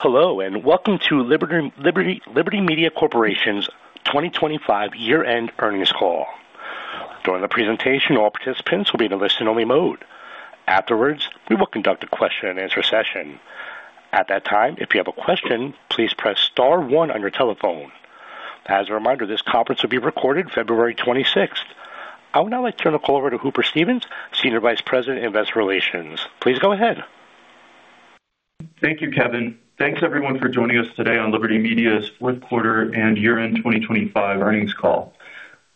Hello, and welcome to Liberty Media Corporation's 2025 year-end earnings call. During the presentation, all participants will be in a listen-only mode. Afterwards, we will conduct a question-and-answer session. At that time, if you have a question, please press star one on your telephone. As a reminder, this conference will be recorded February 26th. I would now like to turn the call over to Shane Kleinstein, Senior Vice President, Investor Relations. Please go ahead. Thank you, Kevin. Thanks, everyone, for joining us today on Liberty Media's fourth quarter and year-end 2025 earnings call.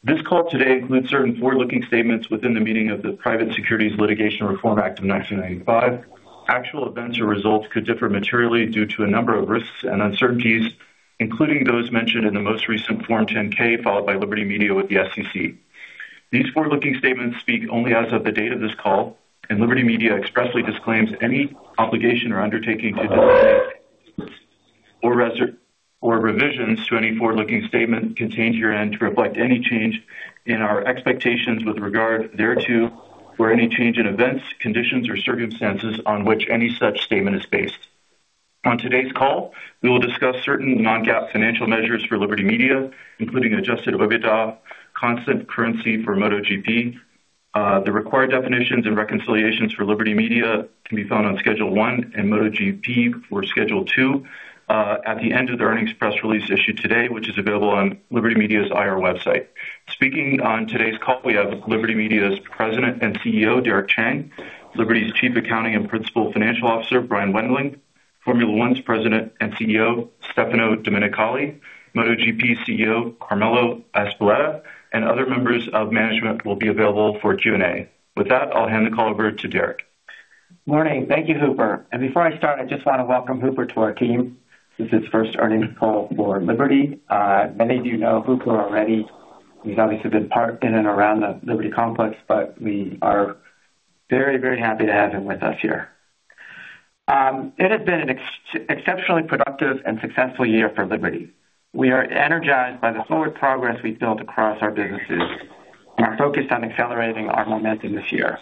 This call today includes certain forward-looking statements within the meaning of the Private Securities Litigation Reform Act of 1995. Actual events or results could differ materially due to a number of risks and uncertainties, including those mentioned in the most recent Form 10-K, followed by Liberty Media with the SEC. These forward-looking statements speak only as of the date of this call, and Liberty Media expressly disclaims any obligation or undertaking to discuss or revisions to any forward-looking statement contained herein to reflect any change in our expectations with regard thereto, or any change in events, conditions, or circumstances on which any such statement is based. On today's call, we will discuss certain non-GAAP financial measures for Liberty Media, including Adjusted EBITDA, constant currency for MotoGP. The required definitions and reconciliations for Liberty Media can be found on Schedule one and MotoGP for Schedule two at the end of the earnings press release issued today, which is available on Liberty Media's IR website. Speaking on today's call, we have Liberty Media's President and CEO, Derek Chang; Liberty's Chief Accounting and Principal Financial Officer, Brian Wendling; Formula One's President and CEO, Stefano Domenicali; MotoGP CEO, Carmelo Ezpeleta, and other members of management will be available for Q&A. With that, I'll hand the call over to Derek. Morning. Thank you, Hooper. Before I start, I just want to welcome Hooper to our team. This is his first earnings call for Liberty. Many of you know Hooper already. He's obviously been part in and around the Liberty complex, we are very, very happy to have him with us here. It has been an exceptionally productive and successful year for Liberty. We are energized by the forward progress we've built across our businesses and are focused on accelerating our momentum this year.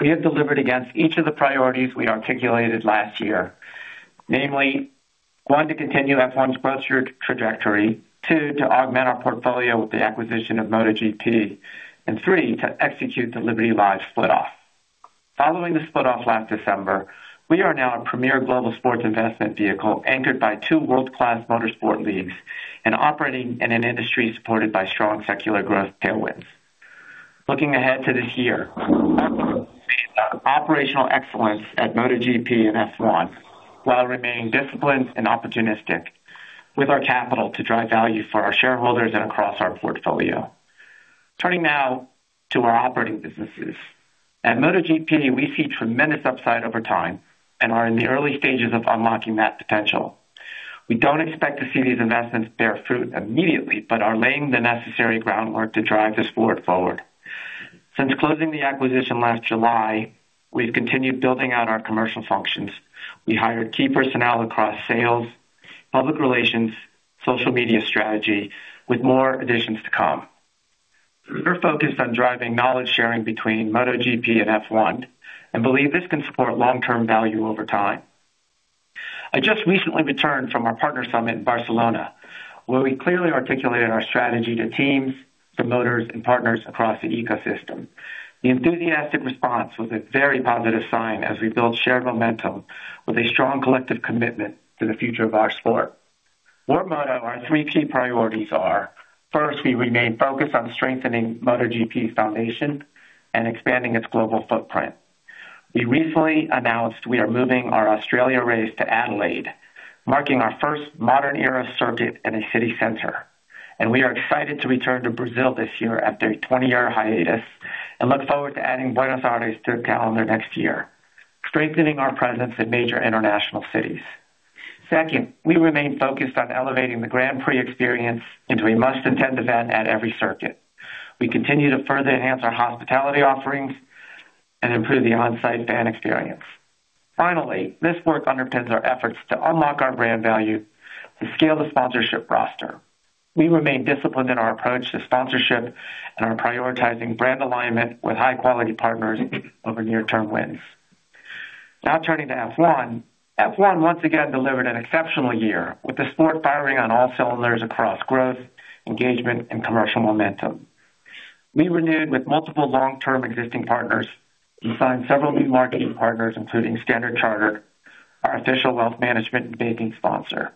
We have delivered against each of the priorities we articulated last year, namely, one, to continue F1's growth trajectory, two, to augment our portfolio with the acquisition of MotoGP, and three, to execute the Liberty Live split off. Following the split off last December, we are now a premier global sports investment vehicle, anchored by two world-class motorsport leagues and operating in an industry supported by strong secular growth tailwinds. Looking ahead to this year, we operational excellence at MotoGP and F1, while remaining disciplined and opportunistic with our capital to drive value for our shareholders and across our portfolio. Turning now to our operating businesses. At MotoGP, we see tremendous upside over time and are in the early stages of unlocking that potential. We don't expect to see these investments bear fruit immediately, but are laying the necessary groundwork to drive this sport forward. Since closing the acquisition last July, we've continued building out our commercial functions. We hired key personnel across sales, public relations, social media strategy, with more additions to come. We're focused on driving knowledge sharing between MotoGP and F1, and believe this can support long-term value over time. I just recently returned from our partner summit in Barcelona, where we clearly articulated our strategy to teams, promoters, and partners across the ecosystem. The enthusiastic response was a very positive sign as we built shared momentum with a strong collective commitment to the future of our sport. For Moto, our three key priorities are: first, we remain focused on strengthening MotoGP's foundation and expanding its global footprint. We recently announced we are moving our Australia race to Adelaide, marking our first modern-era circuit in a city center, and we are excited to return to Brazil this year after a 20-year hiatus and look forward to adding Buenos Aires to the calendar next year, strengthening our presence in major international cities. Second, we remain focused on elevating the Grand Prix experience into a must-attend event at every circuit. We continue to further enhance our hospitality offerings and improve the on-site fan experience. Finally, this work underpins our efforts to unlock our brand value and scale the sponsorship roster. We remain disciplined in our approach to sponsorship and are prioritizing brand alignment with high-quality partners over near-term wins. Turning to F1. F1 once again delivered an exceptional year, with the sport firing on all cylinders across growth, engagement, and commercial momentum. We renewed with multiple long-term existing partners and signed several new marketing partners, including Standard Chartered, our official wealth management and banking sponsor.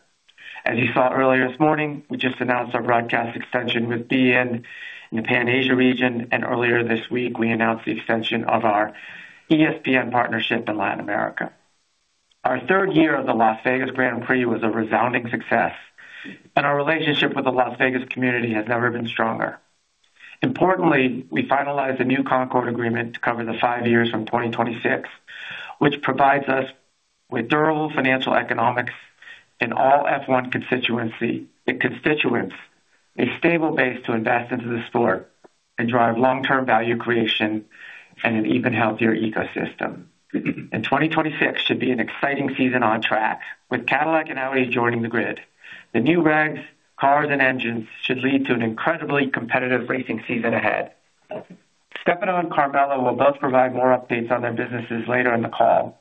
As you saw earlier this morning, we just announced our broadcast extension with BN in the Pan Asia region, and earlier this week, we announced the extension of our ESPN partnership in Latin America. Our third year of the Las Vegas Grand Prix was a resounding success, and our relationship with the Las Vegas community has never been stronger. Importantly, we finalized a new Concorde Agreement to cover the five years from 2026, which provides us with durable financial economics in all F1 constituency, and constituents, a stable base to invest into the sport and drive long-term value creation and an even healthier ecosystem. 2026 should be an exciting season on track. With Cadillac and Audi joining the grid, the new regs, cars, and engines should lead to an incredibly competitive racing season ahead. Stefano and Carmelo will both provide more updates on their businesses later in the call.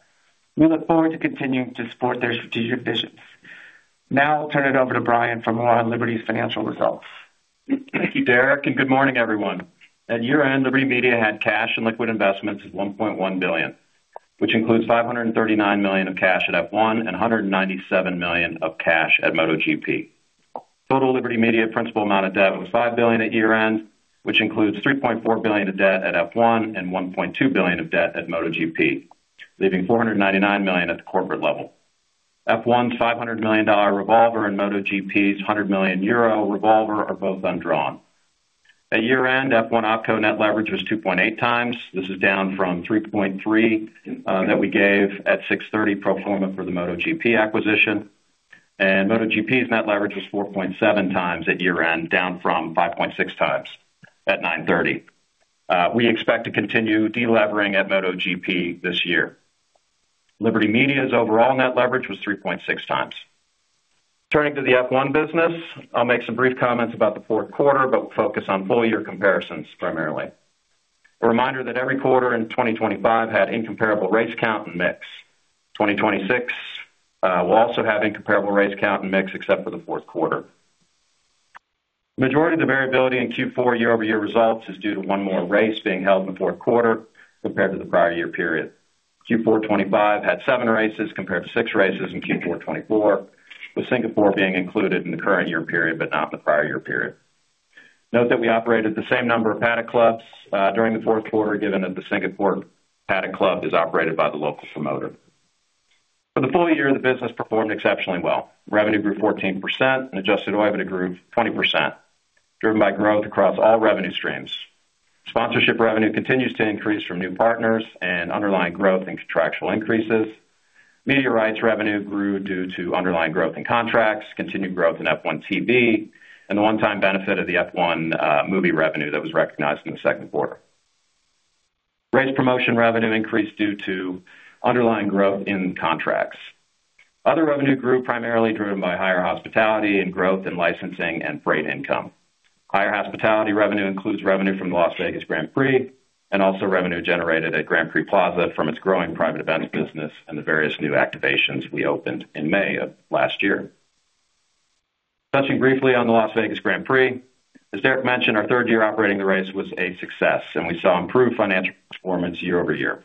We look forward to continuing to support their strategic visions. Now I'll turn it over to Brian for more on Liberty's financial results. Thank you, Derek, and good morning, everyone. At year-end, Liberty Media had cash and liquid investments of $1.1 billion, which includes $539 million of cash at F1 and $197 million of cash at MotoGP. Total Liberty Media principal amount of debt was $5 billion at year-end, which includes $3.4 billion of debt at F1 and $1.2 billion of debt at MotoGP, leaving $499 million at the corporate level. F1's $500 million revolver and MotoGP's 100 million euro revolver are both undrawn. At year-end, F1 OpCo net leverage was 2.8 times. This is down from 3.3 that we gave at 6/30 pro forma for the MotoGP acquisition, and MotoGP's net leverage was 4.7 times at year-end, down from 5.6 times at 9/30. We expect to continue dilevering at MotoGP this year. Liberty Media's overall net leverage was 3.6 times. Turning to the F1 business, I'll make some brief comments about the fourth quarter, but we'll focus on full year comparisons primarily. A reminder that every quarter in 2025 had incomparable race count and mix. 2026 will also have incomparable race count and mix except for the fourth quarter. Majority of the variability in Q4 year-over-year results is due to one more race being held in the fourth quarter compared to the prior year period. Q4 2025 had seven races compared to six races in Q4 2024, with Singapore being included in the current year period but not in the prior year period. Note that we operated the same number of Paddock Club, during the fourth quarter, given that the Singapore Paddock Club is operated by the local promoter. For the full year, the business performed exceptionally well. Revenue grew 14% and Adjusted EBITDA grew 20%, driven by growth across all revenue streams. Sponsorship revenue continues to increase from new partners and underlying growth and contractual increases. Media rights revenue grew due to underlying growth in contracts, continued growth in F1 TV, and the one-time benefit of the F1 Movie revenue that was recognized in the second quarter. Race promotion revenue increased due to underlying growth in contracts. Other revenue grew, primarily driven by higher hospitality and growth in licensing and freight income. Higher hospitality revenue includes revenue from the Las Vegas Grand Prix and also revenue generated at Grand Prix Plaza from its growing private events business and the various new activations we opened in May of last year. Touching briefly on the Las Vegas Grand Prix, as Derek mentioned, our third year operating the race was a success, and we saw improved financial performance year-over-year.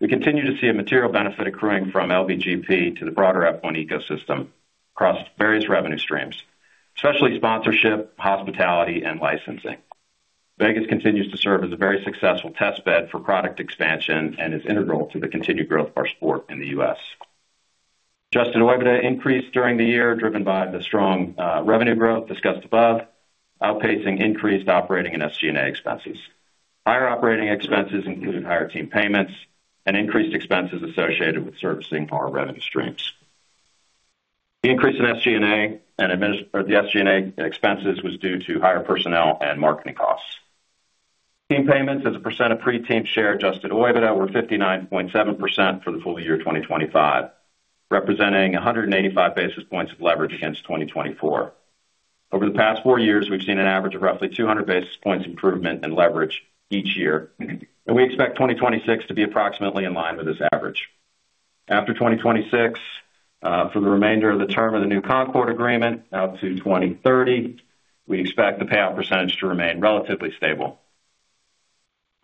We continue to see a material benefit accruing from LBGP to the broader F1 ecosystem across various revenue streams, especially sponsorship, hospitality, and licensing. Vegas continues to serve as a very successful test bed for product expansion and is integral to the continued growth of our sport in the US. Adjusted EBITDA increased during the year, driven by the strong revenue growth discussed above, outpacing increased operating and SG&A expenses. Higher operating expenses included higher team payments and increased expenses associated with servicing our revenue streams. The increase in SG&A expenses was due to higher personnel and marketing costs. Team payments as a percent of pre-team share Adjusted EBITDA were 59.7% for the full year 2025, representing 185 basis points of leverage against 2024. Over the past four years, we've seen an average of roughly 200 basis points improvement in leverage each year. We expect 2026 to be approximately in line with this average. After 2026, for the remainder of the term of the new Concorde Agreement, out to 2030, we expect the payout percentage to remain relatively stable.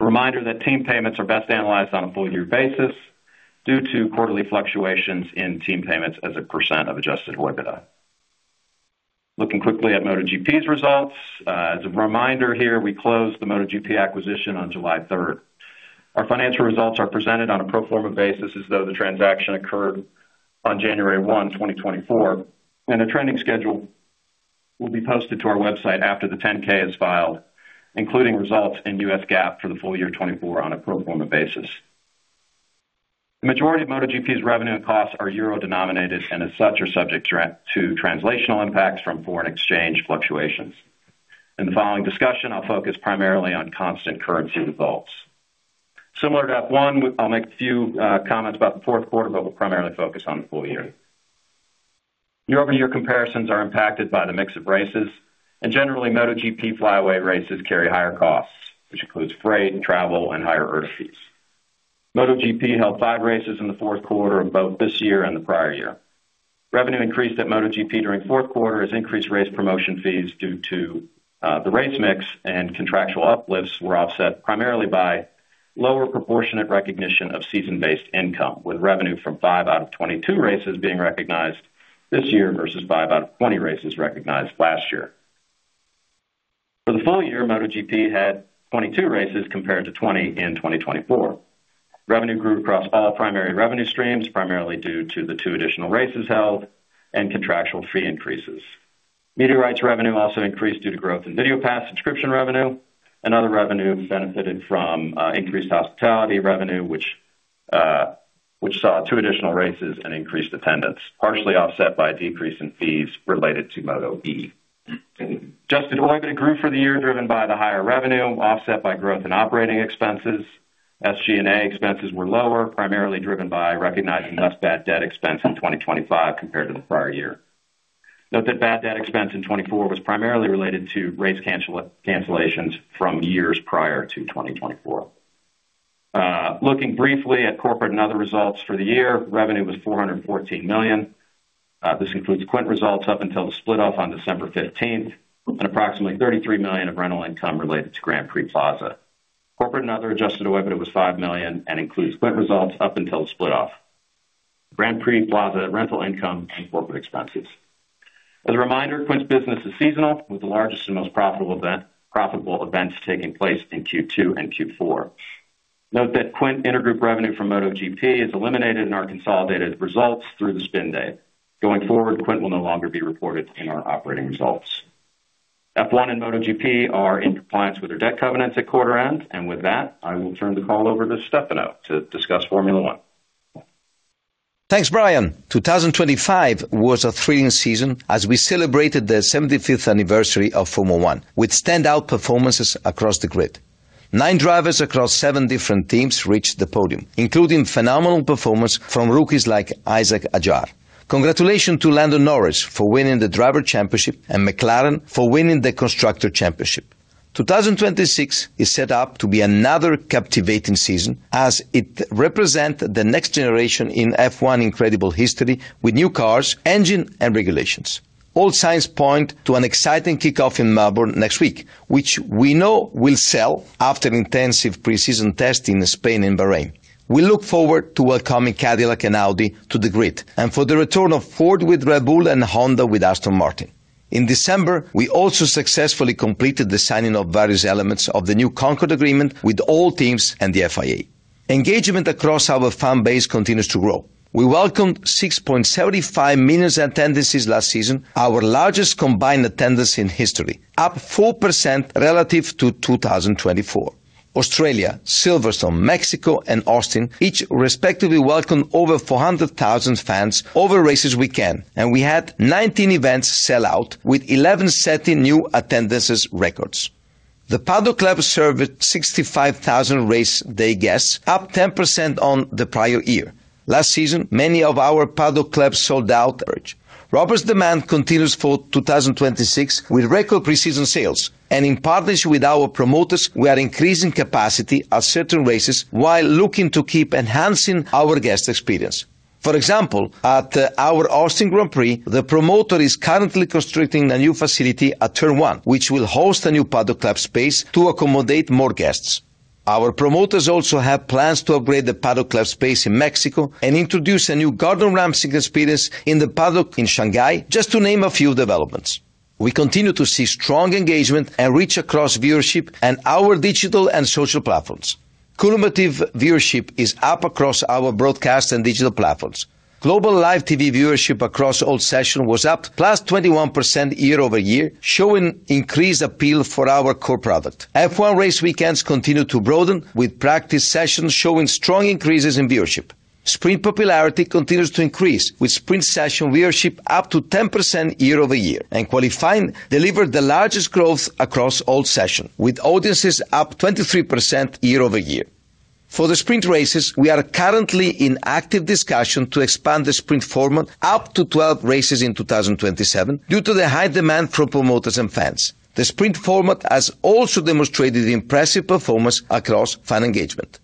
A reminder that team payments are best analyzed on a full year basis due to quarterly fluctuations in team payments as a percent of Adjusted EBITDA. Looking quickly at MotoGP's results. As a reminder here, we closed the MotoGP acquisition on July third. Our financial results are presented on a pro forma basis as though the transaction occurred on January one, 2024, and a trending schedule will be posted to our website after the 10-K is filed, including results in US GAAP for the full year 2024 on a pro forma basis. The majority of MotoGP's revenue and costs are euro-denominated and as such, are subject to translational impacts from foreign exchange fluctuations. In the following discussion, I'll focus primarily on constant currency results. Similar to F1, I'll make a few comments about the fourth quarter, but we'll primarily focus on the full year. Year-over-year comparisons are impacted by the mix of races, and generally, MotoGP flyaway races carry higher costs, which includes freight and travel and higher earth fees. MotoGP held five races in the fourth quarter of both this year and the prior year. Revenue increased at MotoGP during fourth quarter as increased race promotion fees due to the race mix and contractual uplifts were offset primarily by lower proportionate recognition of season-based income, with revenue from 5 out of 22 races being recognized this year versus 5 out of 20 races recognized last year. For the full year, MotoGP had 22 races compared to 20 in 2024. Revenue grew across all primary revenue streams, primarily due to the two additional races held and contractual fee increases. Media rights revenue also increased due to growth in video pass, subscription revenue, and other revenue benefited from increased hospitality revenue, which saw two additional races and increased attendance, partially offset by a decrease in fees related to MotoGP. Adjusted EBITDA grew for the year, driven by the higher revenue, offset by growth in operating expenses. SG&A expenses were lower, primarily driven by recognizing less bad debt expense in 2025 compared to the prior year. Note that bad debt expense in 2024 was primarily related to race cancellations from years prior to 2024. Looking briefly at corporate and other results for the year, revenue was $414 million. This includes Quint results up until the split-off on December 15th, and approximately $33 million of rental income related to Grand Prix Plaza. Corporate and other Adjusted EBITDA was $5 million and includes Quint results up until the split off, Grand Prix Plaza, rental income, and corporate expenses. As a reminder, Quint's business is seasonal, with the largest and most profitable events taking place in Q2 and Q4. Note that Quint intergroup revenue from MotoGP is eliminated in our consolidated results through the spin date. Going forward, Quint will no longer be reported in our operating results. F1 and MotoGP are in compliance with their debt covenants at quarter end. With that, I will turn the call over to Stefano to discuss Formula One. Thanks, Brian. 2025 was a thrilling season as we celebrated the 75th anniversary of Formula One with standout performances across the grid. Nine drivers across seven different teams reached the podium, including phenomenal performance from rookies like Isack Hadjar. Congratulations to Lando Norris for winning the Driver Championship and McLaren for winning the Constructor Championship. 2026 is set up to be another captivating season as it represent the next generation in F1 incredible history with new cars, engine, and regulations. All signs point to an exciting kickoff in Melbourne next week, which we know will sell after intensive preseason testing in Spain and Bahrain. We look forward to welcoming Cadillac and Audi to the grid, and for the return of Ford with Red Bull and Honda with Aston Martin. In December, we also successfully completed the signing of various elements of the new Concorde Agreement with all teams and the FIA. Engagement across our fan base continues to grow. We welcomed 6.75 million attendances last season, our largest combined attendance in history, up 4% relative to 2024. Australia, Silverstone, Mexico, and Austin, each respectively welcomed over 400,000 fans over races weekend, and we had 19 events sell out with 11 setting new attendances records. The Paddock Club served 65,000 race day guests, up 10% on the prior year. Last season, many of our Paddock Club sold out, average. Robbers demand continues for 2026, with record preseason sales, and in partnership with our promoters, we are increasing capacity at certain races while looking to keep enhancing our guest experience. For example, at our Austin Grand Prix, the promoter is currently constructing a new facility at Turn 1, which will host a new Paddock Club space to accommodate more guests. Our promoters also have plans to upgrade the Paddock Club space in Mexico and introduce a new Gordon Ramsay experience in the Paddock in Shanghai, just to name a few developments. We continue to see strong engagement and reach across viewership in our digital and social platforms. Cumulative viewership is up across our broadcast and digital platforms. Global live TV viewership across all sessions was up +21% year-over-year, showing increased appeal for our core product. F1 race weekends continue to broaden, with practice sessions showing strong increases in viewership. Sprint popularity continues to increase, with sprint session viewership up to 10% year-over-year. Qualifying delivered the largest growth across all sessions, with audiences up 23% year-over-year. For the sprint races, we are currently in active discussion to expand the sprint format up to 12 races in 2027 due to the high demand from promoters and fans. The sprint format has also demonstrated impressive performance across fan engagement.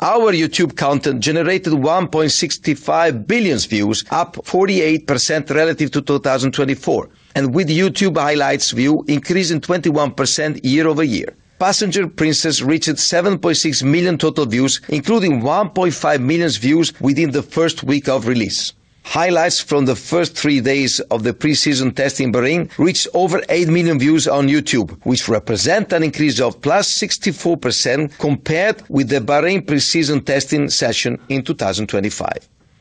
Our YouTube content generated 1.65 billion views, up 48% relative to 2024. YouTube highlights view increasing 21% year-over-year. Passenger Princess reached 7.6 million total views, including 1.5 million views within the first week of release. Highlights from the first three days of the preseason test in Bahrain reached over 8 million views on YouTube, which represent an increase of plus 64% compared with the Bahrain preseason testing session in 2025.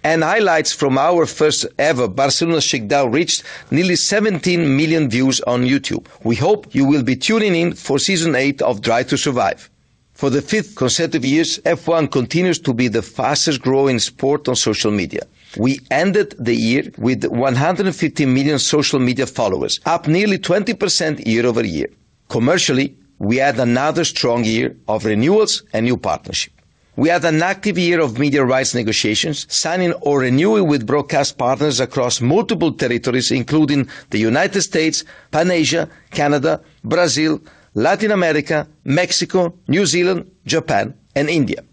Highlights from our first ever Barcelona Shakedown reached nearly 17 million views on YouTube. We hope you will be tuning in for Season eight of Drive to Survive. For the fifth consecutive years, F1 continues to be the fastest-growing sport on social media. We ended the year with 150 million social media followers, up nearly 20% year-over-year. Commercially, we had another strong year of renewals and new partnership. We had an active year of media rights negotiations, signing or renewing with broadcast partners across multiple territories, including the United States, Pan Asia, Canada, Brazil, Latin America, Mexico, New Zealand, Japan, and India.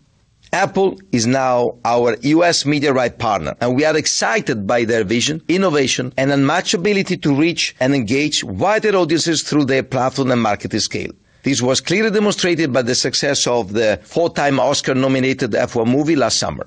Apple is now our US media right partner. We are excited by their vision, innovation, and unmatched ability to reach and engage wider audiences through their platform and marketing scale. This was clearly demonstrated by the success of the four-time Oscar-nominated F1 movie last summer.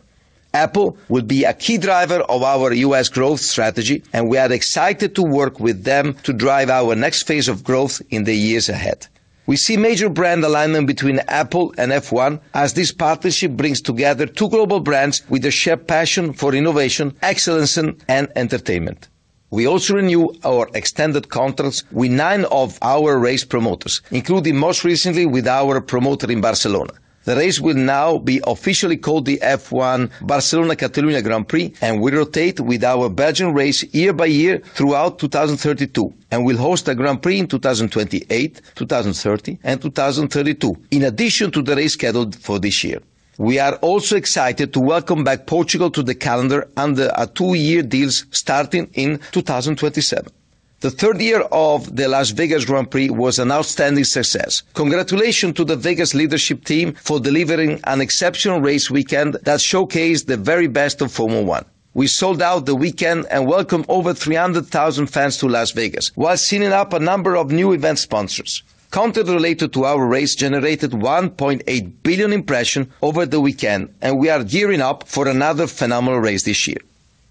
Apple will be a key driver of our US growth strategy. We are excited to work with them to drive our next phase of growth in the years ahead. We see major brand alignment between Apple and F1 as this partnership brings together two global brands with a shared passion for innovation, excellence, and entertainment. We also renew our extended contracts with nine of our race promoters, including most recently with our promoter in Barcelona. The race will now be officially called the F1 Barcelona-Catalunya Grand Prix. We rotate with our Belgian race year by year throughout 2032, and will host a Grand Prix in 2028, 2030, and 2032, in addition to the race scheduled for this year. We are also excited to welcome back Portugal to the calendar under a 2-year deal starting in 2027. The third year of the Las Vegas Grand Prix was an outstanding success. Congratulations to the Vegas leadership team for delivering an exceptional race weekend that showcased the very best of Formula 1. We sold out the weekend and welcomed over 300,000 fans to Las Vegas, while signing up a number of new event sponsors. Content related to our race generated 1.8 billion impression over the weekend. We are gearing up for another phenomenal race this year.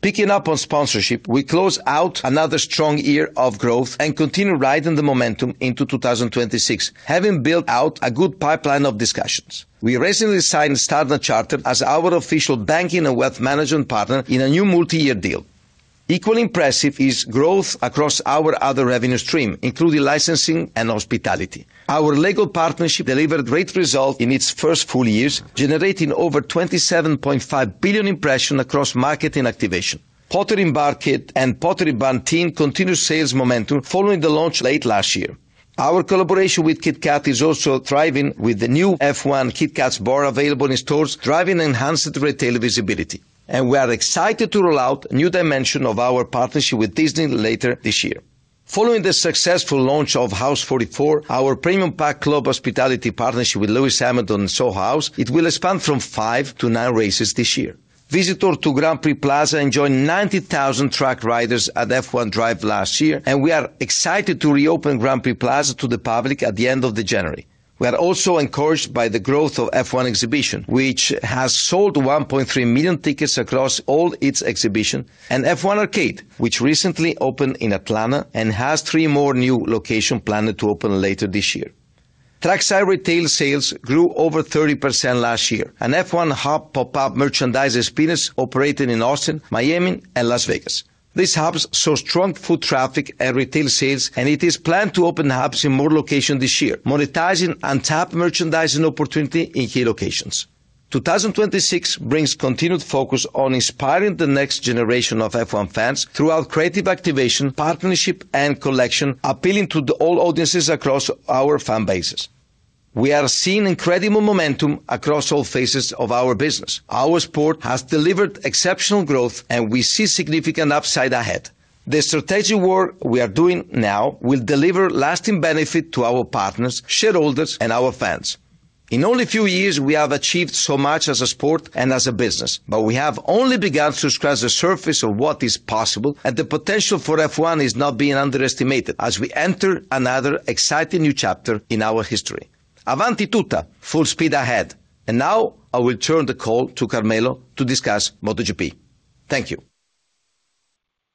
Picking up on sponsorship, we close out another strong year of growth and continue riding the momentum into 2026, having built out a good pipeline of discussions. We recently signed Standard Chartered as our official banking and wealth management partner in a new multi-year deal. Equally impressive is growth across our other revenue stream, including licensing and hospitality. Our LEGO partnership delivered great results in its first full years, generating over 27.5 billion impression across market and activation. Pottery Barn Kids and Pottery Barn Teen continued sales momentum following the launch late last year. Our collaboration with KitKat is also thriving, with the new F1 KitKat bar available in stores, driving enhanced retail visibility. We are excited to roll out a new dimension of our partnership with Disney later this year. Following the successful launch of House 44, our premium Paddock Club hospitality partnership with Lewis Hamilton, Soho House, it will expand from 5 to 9 races this year. Visitors to Grand Prix Plaza enjoyed 90,000 track riders at F1 Drive last year. We are excited to reopen Grand Prix Plaza to the public at the end of the January. We are also encouraged by the growth of F1 Exhibition, which has sold 1.3 million tickets across all its exhibition, and F1 Arcade, which recently opened in Atlanta and has 3 more new locations planned to open later this year. Trackside retail sales grew over 30% last year. F1 Hub pop-up merchandise experience operated in Austin, Miami, and Las Vegas. These hubs saw strong foot traffic and retail sales. It is planned to open hubs in more locations this year, monetizing untapped merchandising opportunity in key locations. 2026 brings continued focus on inspiring the next generation of F1 fans throughout creative activation, partnership, and collection, appealing to all audiences across our fan bases. We are seeing incredible momentum across all phases of our business. Our sport has delivered exceptional growth. We see significant upside ahead. The strategic work we are doing now will deliver lasting benefit to our partners, shareholders, and our fans. In only a few years, we have achieved so much as a sport and as a business, but we have only begun to scratch the surface of what is possible. The potential for F1 is not being underestimated as we enter another exciting new chapter in our history. Avanti tutta! Full speed ahead. Now I will turn the call to Carmelo to discuss MotoGP. Thank you.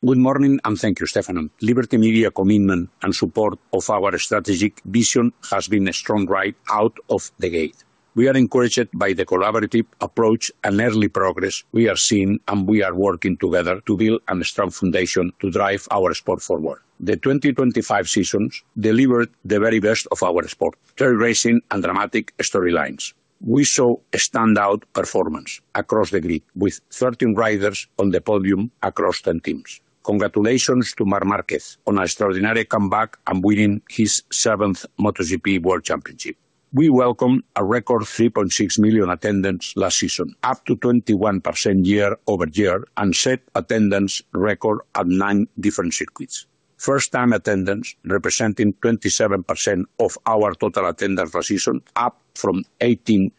Good morning, thank you, Stefano. Liberty Media commitment and support of our strategic vision has been a strong ride out of the gate. We are encouraged by the collaborative approach and early progress we are seeing, and we are working together to build a strong foundation to drive our sport forward. The 2025 seasons delivered the very best of our sport, great racing and dramatic storylines. We saw a standout performance across the grid, with 13 riders on the podium across 10 teams. Congratulations to Marc Márquez on an extraordinary comeback and winning his seventh MotoGP World Championship. We welcomed a record 3.6 million attendance last season, up to 21% year-over-year, and set attendance record at nine different circuits. First-time attendance, representing 27% of our total attendance last season, up from 18%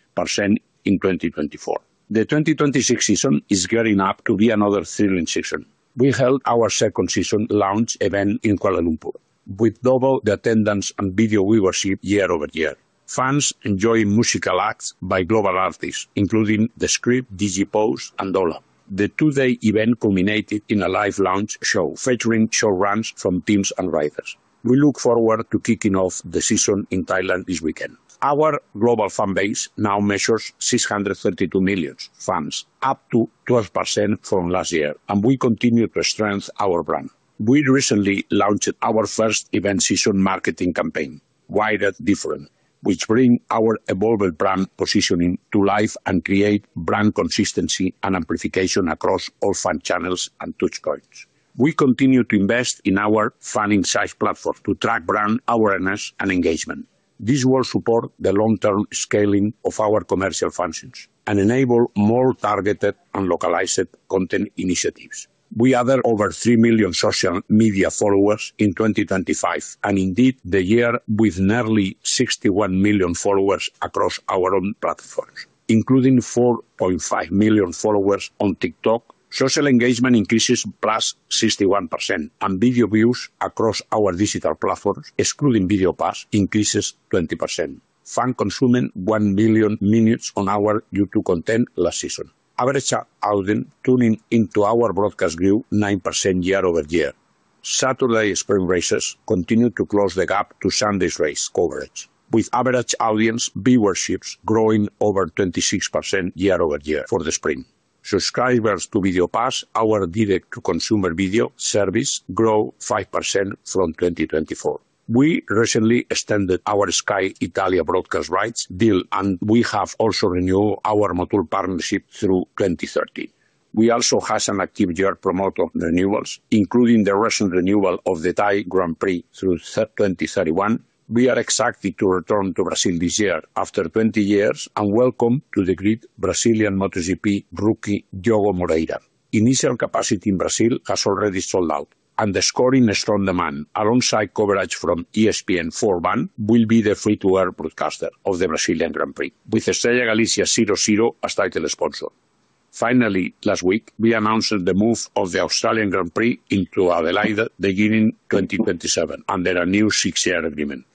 in 2024. The 2026 season is gearing up to be another thrilling season. We held our second season launch event in Kuala Lumpur, with double the attendance and video viewership year-over-year. Fans enjoyed musical acts by global artists, including The Script, Dom Dolla, and Doja Cat. The two-day event culminated in a live launch show featuring show runs from teams and riders. We look forward to kicking off the season in Thailand this weekend. Our global fan base now measures $632 million fans, up to 12% from last year, and we continue to strengthen our brand. We recently launched our first event season marketing campaign, Wilder Different, which bring our evolving brand positioning to life and create brand consistency and amplification across all fan channels and touchpoints. We continue to invest in our fan insight platform to track brand awareness and engagement. This will support the long-term scaling of our commercial functions and enable more targeted and localized content initiatives. We added over $3 million social media followers in 2025, and indeed, the year with nearly 61 million followers across our own platforms, including 4.5 million followers on TikTok. Social engagement increases plus 61%, and video views across our digital platforms, excluding Video Pass, increases 20%. Fan consuming 1 billion minutes on our YouTube content last season. Average audience tuning into our broadcast grew 9% year-over-year. Saturday sprint races continued to close the gap to Sunday's race coverage, with average audience viewerships growing over 26% year-over-year for the sprint. Subscribers to Video Pass, our direct-to-consumer video service, grow 5% from 2024. We recently extended our Sky Italia broadcast rights deal. We have also renewed our Moto partnership through 2030. We also have some active year promoter renewals, including the recent renewal of the Thai Grand Prix through 2031. We are excited to return to Brazil this year after 20 years. Welcome to the great Brazilian MotoGP rookie, Diogo Moreira. Initial capacity in Brazil has already sold out. The scoring is strong demand, alongside coverage from ESPN will be the free-to-air broadcaster of the Brazilian Grand Prix, with Estrella Galicia 0,0 as title sponsor. Last week, we announced the move of the Australian Grand Prix into Adelaide, beginning 2027, under a new six-year agreement.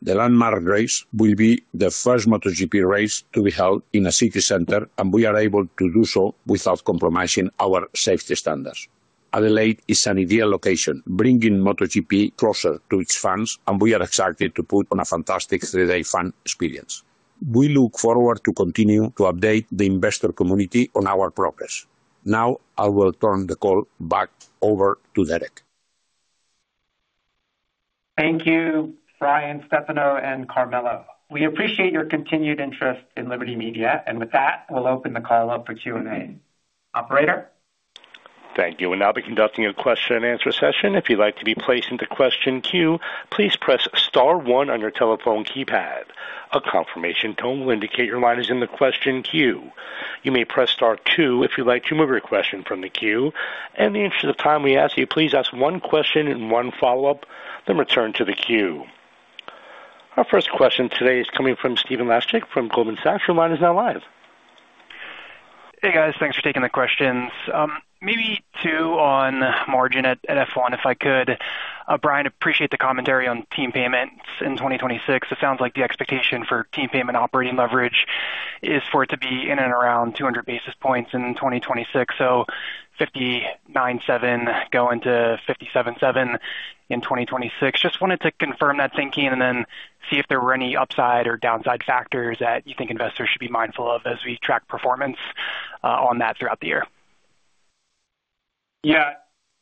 The landmark race will be the first MotoGP race to be held in a city center. We are able to do so without compromising our safety standards. Adelaide is an ideal location, bringing MotoGP closer to its fans, and we are excited to put on a fantastic three-day fan experience. We look forward to continuing to update the investor community on our progress. Now, I will turn the call back over to Derek. Thank you, Brian, Stefano, and Carmelo. We appreciate your continued interest in Liberty Media, and with that, we'll open the call up for Q&A. Operator? Thank you. We'll now be conducting a question-and-answer session. If you'd like to be placed into question queue, please press star one on your telephone keypad. A confirmation tone will indicate your line is in the question queue. You may press star two if you'd like to remove your question from the queue. In the interest of time, we ask you please ask one question and one follow-up, then return to the queue. Our first question today is coming from Stephen Laszczyk from Goldman Sachs. Your line is now live. Hey, guys. Thanks for taking the questions. Maybe two on margin at F1, if I could. Brian, appreciate the commentary on team payments in 2026. It sounds like the expectation for team payment operating leverage is for it to be in and around 200 basis points in 2026, so 59.7% going to 57.7% in 2026. Just wanted to confirm that thinking and then see if there were any upside or downside factors that you think investors should be mindful of as we track performance on that throughout the year. Yeah.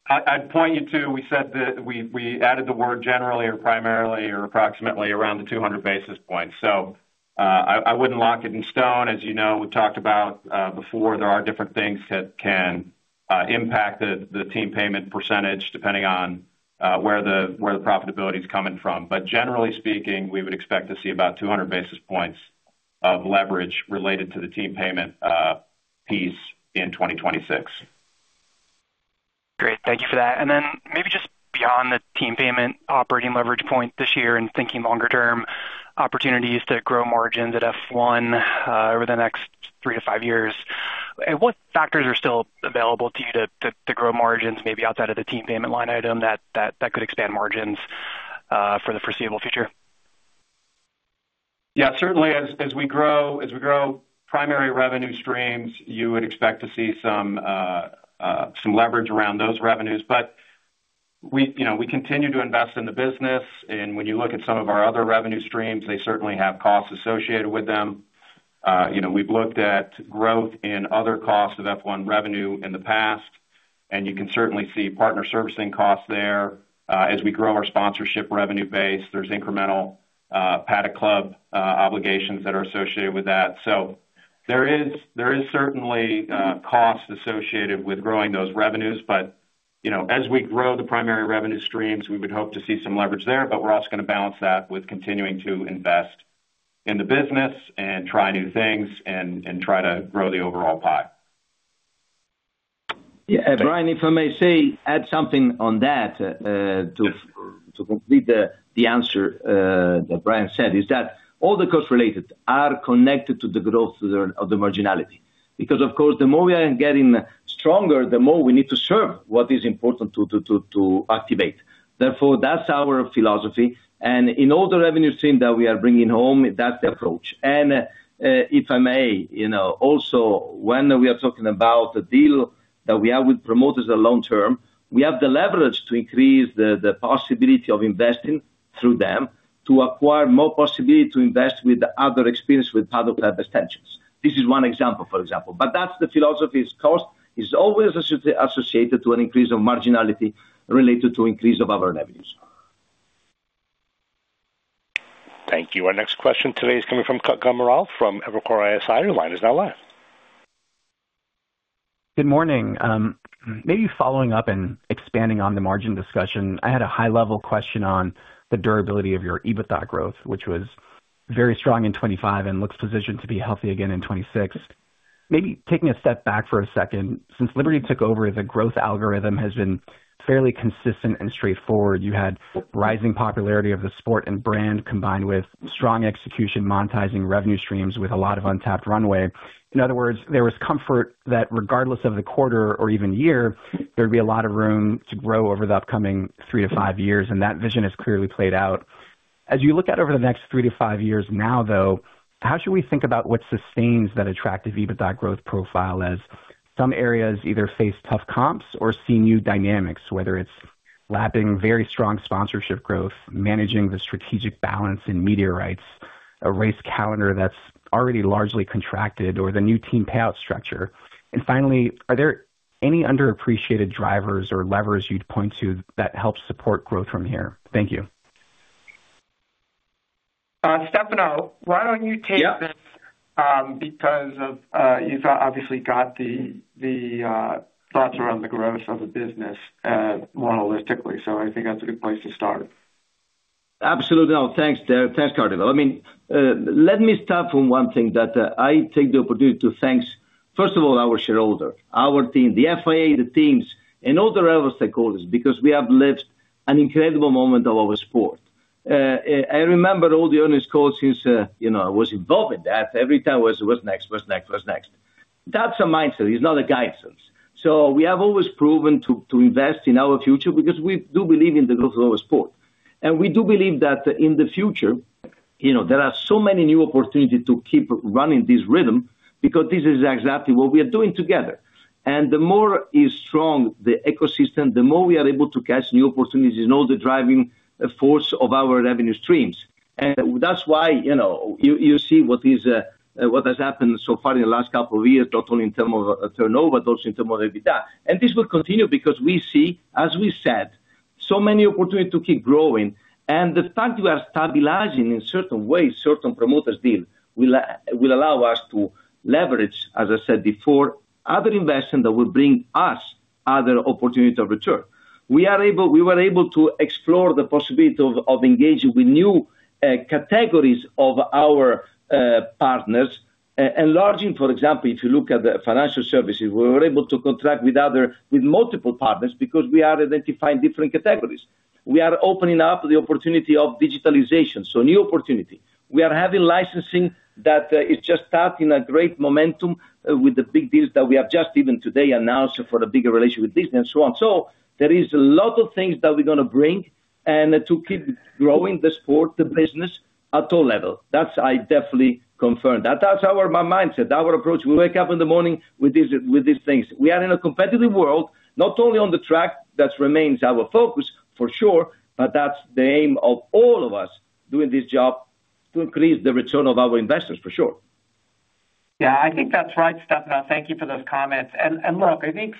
I'd point you to, we said that we added the word generally or primarily or approximately around the 200 basis points. I wouldn't lock it in stone. As you know, we've talked about before, there are different things that can impact the team payment percentage, depending on where the profitability is coming from. Generally speaking, we would expect to see about 200 basis points of leverage related to the team payment piece in 2026. Great. Thank you for that. Maybe just beyond the team payment operating leverage point this year and thinking longer term, opportunities to grow margins at F1 over the next three to five years, what factors are still available to you to grow margins, maybe outside of the team payment line item, that could expand margins for the foreseeable future? Certainly as we grow, as we grow primary revenue streams, you would expect to see some leverage around those revenues. We, you know, we continue to invest in the business, and when you look at some of our other revenue streams, they certainly have costs associated with them. You know, we've looked at growth in other costs of F1 revenue in the past, and you can certainly see partner servicing costs there. As we grow our sponsorship revenue base, there's incremental Paddock Club obligations that are associated with that. There is, there is certainly costs associated with growing those revenues, but, you know, as we grow the primary revenue streams, we would hope to see some leverage there. We're also gonna balance that with continuing to invest in the business and try new things and try to grow the overall pie. Yeah, Brian, if I may say, add something on that. Yes. to complete the answer that Brian said, is that all the costs related are connected to the growth of the marginality. Of course, the more we are getting stronger, the more we need to serve what is important to activate. That's our philosophy, and in all the revenue stream that we are bringing home, that's the approach. If I may, you know, also, when we are talking about the deal that we have with promoters are long term, we have the leverage to increase the possibility of investing through them, to acquire more possibility to invest with other experience with paddock extensions. This is one example, for example, that's the philosophy's cost is always associated to an increase of marginality related to increase of our revenues. Thank you. Our next question today is coming from Kutgun Maral from Evercore ISI. Your line is now live. Good morning. Maybe following up and expanding on the margin discussion, I had a high-level question on the durability of your EBITDA growth, which was very strong in 25 and looks positioned to be healthy again in 2060. Maybe taking a step back for a second, since Liberty took over, the growth algorithm has been fairly consistent and straightforward. You had rising popularity of the sport and brand, combined with strong execution, monetizing revenue streams with a lot of untapped runway. In other words, there was comfort that regardless of the quarter or even year, there'd be a lot of room to grow over the upcoming 3-5 years. That vision has clearly played out. As you look out over the next three to five years now, though, how should we think about what sustains that attractive EBITDA growth profile, as some areas either face tough comps or see new dynamics, whether it's lapping very strong sponsorship growth, managing the strategic balance in media rights, a race calendar that's already largely contracted or the new team payout structure. Finally, are there any underappreciated drivers or levers you'd point to that help support growth from here? Thank you. Stefano, why don't you take this? Yeah. Because of, you've obviously got the, thoughts around the growth of the business, monolithically. I think that's a good place to start. Absolutely. Thanks, Derek. Thanks, Kutgun. I mean, let me start from one thing, that I take the opportunity to thank, first of all, our shareholder, our team, the FIA, the teams, and all the relevant stakeholders, because we have lived an incredible moment of our sport. I remember all the owners calls since, you know, I was involved in that. Every time was, "What's next? What's next? What's next?" That's a mindset. It's not a guidance. We have always proven to invest in our future because we do believe in the growth of our sport. We do believe that in the future, you know, there are so many new opportunities to keep running this rhythm, because this is exactly what we are doing together. The more is strong, the ecosystem, the more we are able to catch new opportunities and all the driving force of our revenue streams. That's why, you know, you see what is what has happened so far in the last couple of years, not only in terms of turnover, but also in terms of EBITDA. This will continue because we see, as we said, so many opportunities to keep growing. The fact we are stabilizing in certain ways, certain promoters deal, will allow us to leverage, as I said before, other investment that will bring us other opportunities of return. We are able... We were able to explore the possibility of engaging with new categories of our partners, enlarging, for example, if you look at the financial services. We were able to contract with multiple partners because we are identifying different categories. We are opening up the opportunity of digitalization, so new opportunity. We are having licensing that is just starting a great momentum with the big deals that we have just even today announced for a bigger relationship with Disney and so on. There is a lot of things that we're going to bring and to keep growing the sport, the business, at all level. That I definitely confirm. That's our, my mindset, our approach. We wake up in the morning with these things. We are in a competitive world, not only on the track, that remains our focus for sure, but that's the aim of all of us doing this job, to increase the return of our investors for sure. Yeah, I think that's right, Stefano. Thank you for those comments. Look, I think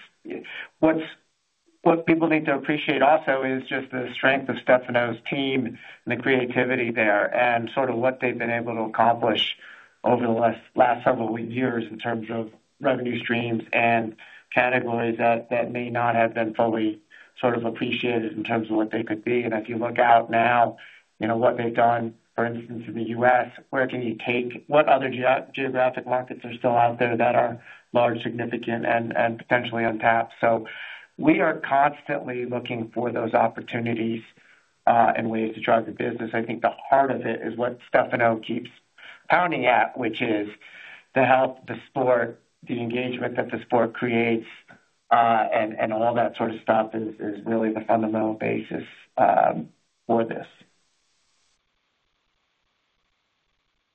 what people need to appreciate also is just the strength of Stefano's team and the creativity there, and sort of what they've been able to accomplish over the last several years in terms of revenue streams and categories that may not have been fully sort of appreciated in terms of what they could be. If you look out now, you know what they've done, for instance, in the U.S., where can you take... What other geographic markets are still out there that are large, significant, and potentially untapped? We are constantly looking for those opportunities, and ways to drive the business. I think the heart of it is what Stefano keeps pounding at, which is to help the sport, the engagement that the sport creates, and all that sort of stuff is really the fundamental basis for this.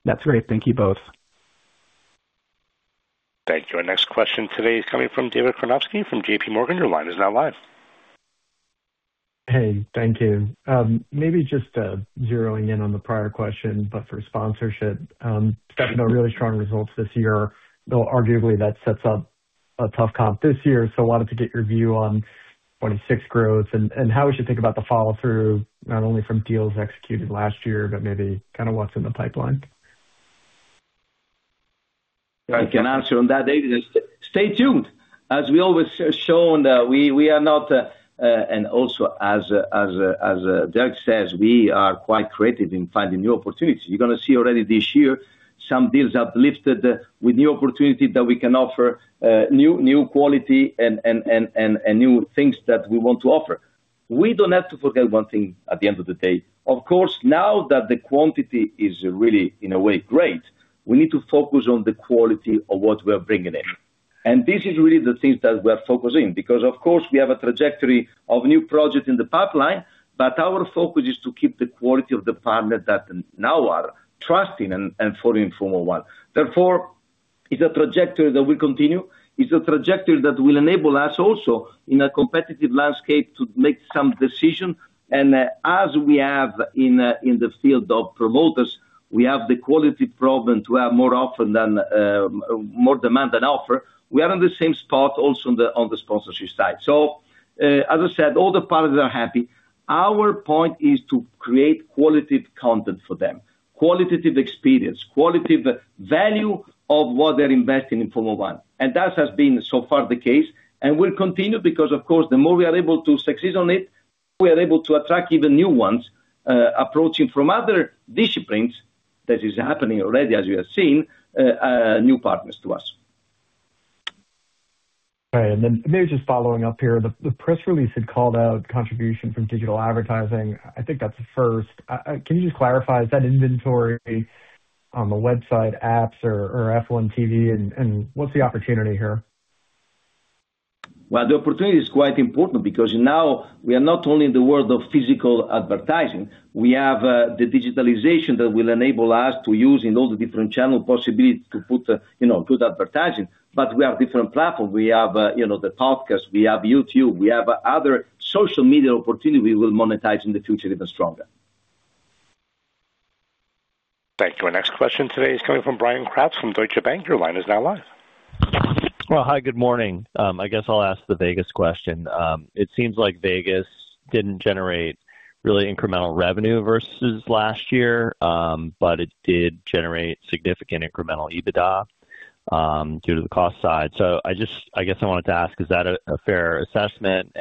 That's great. Thank you both. Thank you. Our next question today is coming from David Karnovsky from J.P. Morgan. Your line is now live. Hey, thank you. Maybe just zeroing in on the prior question for sponsorship, Stefano, really strong results this year, though arguably, that sets up a tough comp this year. Wanted to get your view on 26 growth and how we should think about the follow-through, not only from deals executed last year, but maybe kind of what's in the pipeline. I can answer on that, David. Stay tuned. As we always shown, we are not, and also as Derek says, we are quite creative in finding new opportunities. You're going to see already this year, some deals have lifted with new opportunity that we can offer, new quality and new things that we want to offer. We don't have to forget one thing at the end of the day. Of course, now that the quantity is really, in a way, great, we need to focus on the quality of what we are bringing in. This is really the things that we are focusing, because of course, we have a trajectory of new projects in the pipeline, but our focus is to keep the quality of the partners that now are trusting and following Formula one. Therefore, it's a trajectory that will continue. It's a trajectory that will enable us also, in a competitive landscape, to make some decisions. As we have in the field of promoters, we have the quality problem to have more often than more demand than offer. We are in the same spot also on the, on the sponsorship side. As I said, all the partners are happy. Our point is to create quality content for them, qualitative experience, quality value of what they're investing in Formula 1. That has been, so far, the case and will continue, because of course, the more we are able to succeed on it, we are able to attract even new ones, approaching from other disciplines, that is happening already, as you have seen, new partners to us. Right. Maybe just following up here, the press release had called out contribution from digital advertising. I think that's a first. Can you just clarify, is that inventory on the website apps or F1 TV? What's the opportunity here? Well, the opportunity is quite important because now we are not only in the world of physical advertising, we have the digitalization that will enable us to use in all the different channel possibilities to put, you know, good advertising. We have different platforms. We have, you know, the podcast, we have YouTube, we have other social media opportunities we will monetize in the future even stronger. Thank you. Our next question today is coming from Bryan Kraft from Deutsche Bank. Your line is now live. Well, hi, good morning. I guess I'll ask the Vegas question. It seems like Vegas didn't generate really incremental revenue versus last year, but it did generate significant incremental EBITDA due to the cost side. I guess I wanted to ask, is that a fair assessment?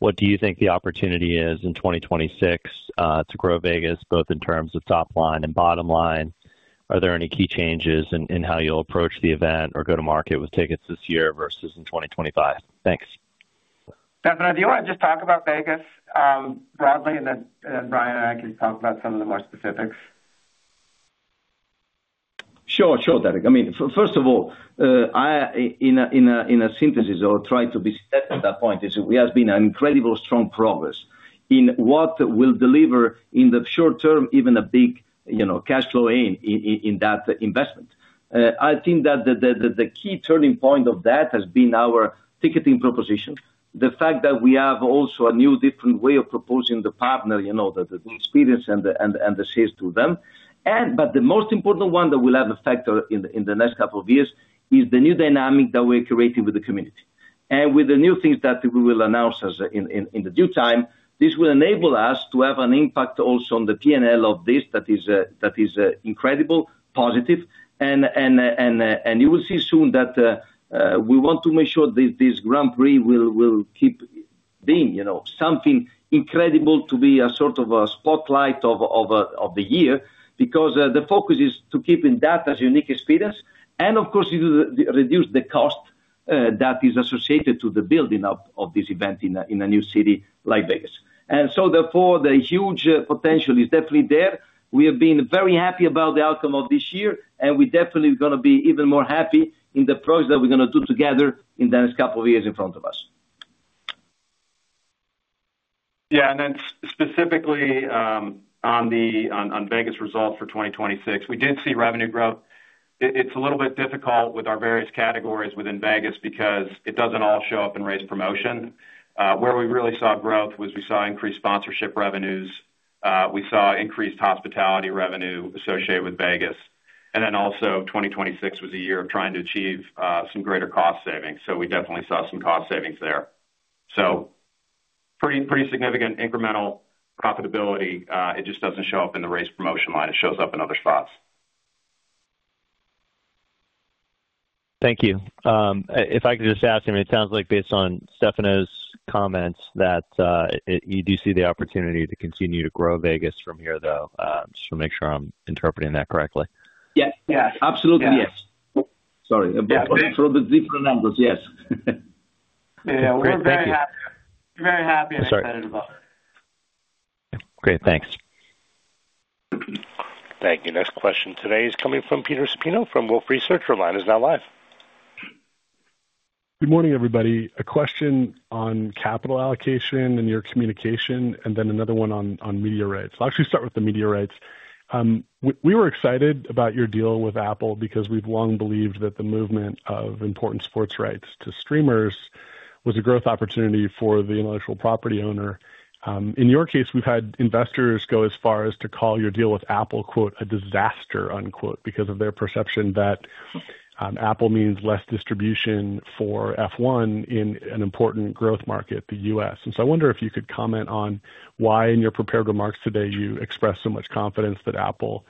What do you think the opportunity is in 2026 to grow Vegas, both in terms of top line and bottom line? Are there any key changes in how you'll approach the event or go to market with tickets this year versus in 2025? Thanks. Stefano, do you wanna just talk about Vegas, broadly, and then Brian Wendling and I can talk about some of the more specifics. Sure, sure, Derek. I mean, first of all, I, in a synthesis or try to be set at that point, is we have been an incredible strong progress in what will deliver in the short term, even a big, you know, cash flow in that investment. I think that the key turning point of that has been our ticketing proposition. The fact that we have also a new different way of proposing the partner, you know, the experience and the sales to them. But the most important one that will have effect in the next couple of years is the new dynamic that we're creating with the community. With the new things that we will announce in the due time, this will enable us to have an impact also on the PNL of this, that is incredible, positive. You will see soon that we want to make sure this Grand Prix will keep being, you know, something incredible to be a sort of a spotlight of the year. The focus is to keeping that as unique experience, and of course, it will re-reduce the cost that is associated to the building of this event in a new city like Vegas. Therefore, the huge potential is definitely there. We have been very happy about the outcome of this year, and we definitely gonna be even more happy in the progress that we're gonna do together in the next couple of years in front of us. Yeah, specifically, on Vegas results for 2026, we did see revenue growth. It's a little bit difficult with our various categories within Vegas because it doesn't all show up in race promotion. Where we really saw growth was we saw increased sponsorship revenues, we saw increased hospitality revenue associated with Vegas. Also 2026 was a year of trying to achieve some greater cost savings. We definitely saw some cost savings there. Pretty significant incremental profitability. It just doesn't show up in the race promotion line. It shows up in other spots. Thank you. If I could just ask, I mean, it sounds like based on Stefano's comments, that you do see the opportunity to continue to grow Vegas from here, though. Just to make sure I'm interpreting that correctly. Yes. Yeah, absolutely, yes. Sorry, but for the different numbers, yes. Yeah, we're very happy. Very happy and excited about it. Great, thanks. Thank you. Next question today is coming from Peter Supino from Wolfe Research. Your line is now live. Good morning, everybody. A question on capital allocation and your communication, and then another one on media rights. I'll actually start with the media rights. We were excited about your deal with Apple because we've long believed that the movement of important sports rights to streamers was a growth opportunity for the intellectual property owner. In your case, we've had investors go as far as to call your deal with Apple, quote, "a disaster," unquote, because of their perception that Apple means less distribution for F1 in an important growth market, the U.S. I wonder if you could comment on why, in your prepared remarks today, you expressed so much confidence that Apple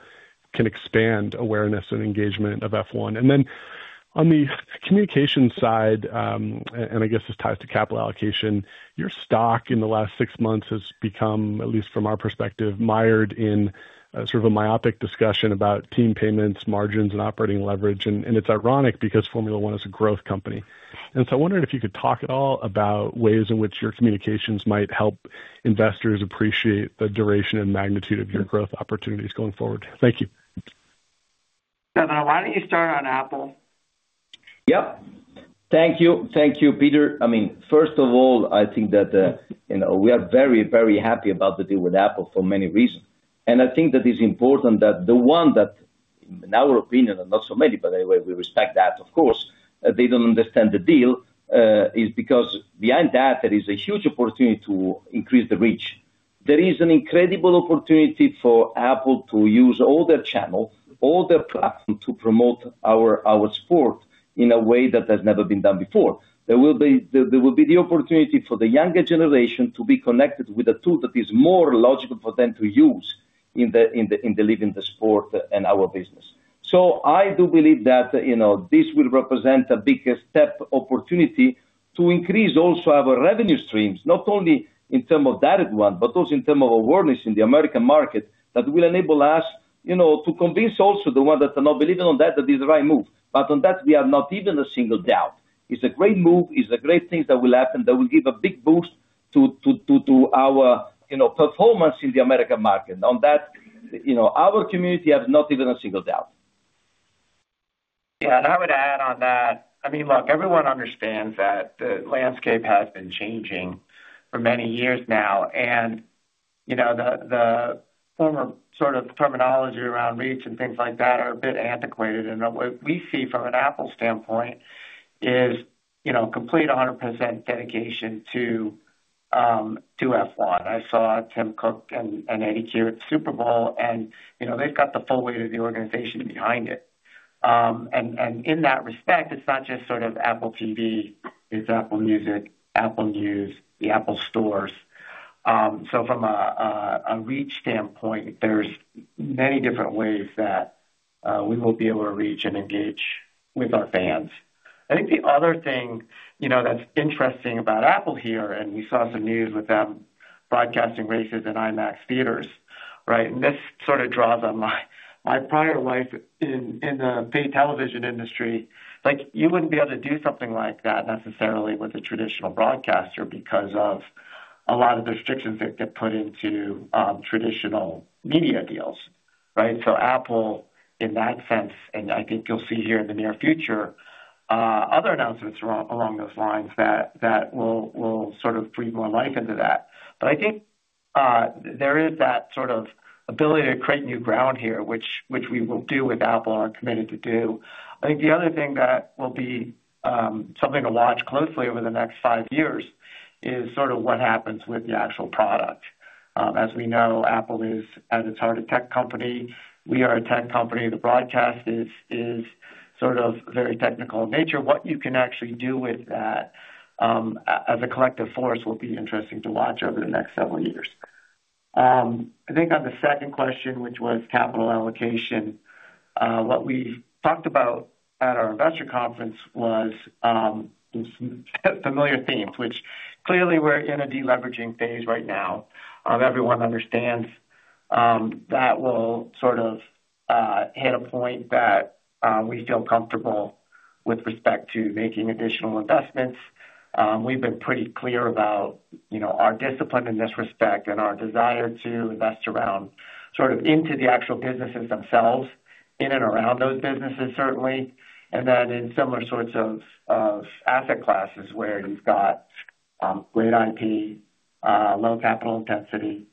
can expand awareness and engagement of F1? On the communication side, and I guess this ties to capital allocation, your stock in the last six months has become, at least from our perspective, mired in sort of a myopic discussion about team payments, margins, and operating leverage. It's ironic because Formula one is a growth company. I wondered if you could talk at all about ways in which your communications might help investors appreciate the duration and magnitude of your growth opportunities going forward. Thank you. Stefano, why don't you start on Apple? Yep. Thank you. Thank you, Peter. I mean, first of all, I think that, you know, we are very, very happy about the deal with Apple for many reasons. I think that is important, that the one that, in our opinion, and not so many, but anyway, we respect that, of course, they don't understand the deal, is because behind that, there is a huge opportunity to increase the reach. There is an incredible opportunity for Apple to use all their channels, all their platforms, to promote our sport in a way that has never been done before. There will be the opportunity for the younger generation to be connected with a tool that is more logical for them to use in delivering the sport and our business. I do believe that, you know, this will represent a big step opportunity to increase also our revenue streams, not only in terms of that one, but also in terms of awareness in the American market, that will enable us, you know, to convince also the ones that are not believing on that is the right move. On that, we are not even a single doubt. It's a great move. It's a great thing that will happen, that will give a big boost to our, you know, performance in the American market. On that, you know, our community has not even a single doubt. I would add on that. I mean, look, everyone understands that the landscape has been changing for many years now, you know, the former sort of terminology around reach and things like that are a bit antiquated. What we see from an Apple standpoint is, you know, complete 100% dedication to- ... to F1. I saw Tim Cook and Eddy Cue at the Super Bowl, and, you know, they've got the full weight of the organization behind it. In that respect, it's not just sort of Apple TV, it's Apple Music, Apple News, the Apple Stores. From a reach standpoint, there's many different ways that we will be able to reach and engage with our fans. I think the other thing, you know, that's interesting about Apple here, and we saw some news with them broadcasting races in IMAX theaters, right? This sort of draws on my prior life in the paid television industry. Like, you wouldn't be able to do something like that necessarily with a traditional broadcaster because of a lot of the restrictions that get put into traditional media deals, right? Apple, in that sense, and I think you'll see here in the near future, other announcements along those lines that will sort of breathe more life into that. I think there is that sort of ability to create new ground here, which we will do with Apple and are committed to do. I think the other thing that will be something to watch closely over the next 5 years is sort of what happens with the actual product. As we know, Apple is at its heart, a tech company. We are a tech company. The broadcast is sort of very technical in nature. What you can actually do with that, as a collective force, will be interesting to watch over the next several years. I think on the second question, which was capital allocation, what we talked about at our investor conference was familiar themes, which clearly we're in a deleveraging phase right now. Everyone understands that will sort of hit a point that we feel comfortable with respect to making additional investments. We've been pretty clear about, you know, our discipline in this respect and our desire to invest around, sort of into the actual businesses themselves, in and around those businesses, certainly, and then in similar sorts of asset classes, where you've got great IP, low capital intensity,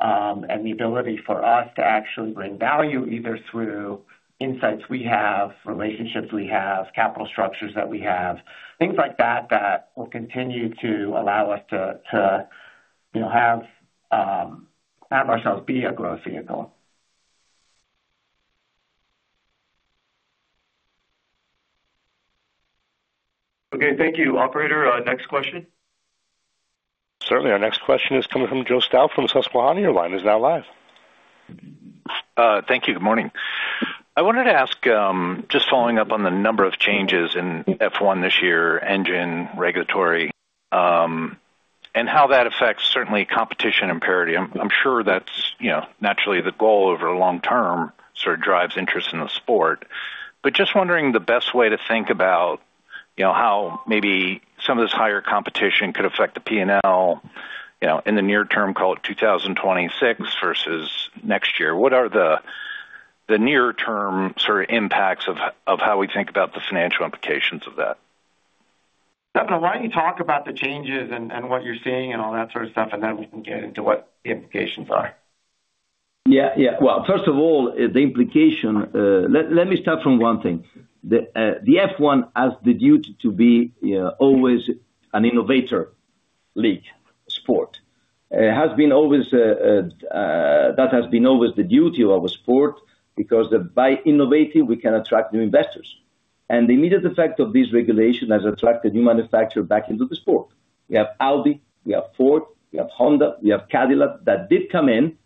and the ability for us to actually bring value, either through insights we have, relationships we have, capital structures that we have. Things like that will continue to allow us to, you know, have ourselves be a growth vehicle. Okay, thank you. Operator, next question? Certainly. Our next question is coming from Joe Stauff from Susquehanna. Your line is now live. Thank you. Good morning. I wanted to ask, just following up on the number of changes in F1 this year, engine, regulatory, and how that affects certainly competition and parity. I'm sure that's, you know, naturally the goal over long term, sort of drives interest in the sport. Just wondering the best way to think about, you know, how maybe some of this higher competition could affect the PNL, you know, in the near term, call it 2026 versus next year. What are the near term sort of impacts of how we think about the financial implications of that? Stefano, why don't you talk about the changes and what you're seeing and all that sort of stuff, and then we can get into what the implications are. Yeah. Yeah. Well, first of all, the implication, let me start from one thing. The F1 has the duty to be always an innovator league sport. It has been always the duty of a sport, because by innovating, we can attract new investors. The immediate effect of this regulation has attracted new manufacturer back into the sport. We have Audi, we have Ford, we have Honda, we have Cadillac, that did come in,